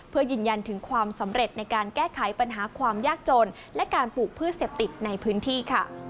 เพื่อยืนยันถึงความสำเร็จในการแก้ไขปัญหาความยากจนและการปลูกพืชเสพติดในพื้นที่ค่ะ